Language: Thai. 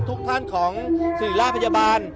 ทุกท่านของศิริราชพยาบาล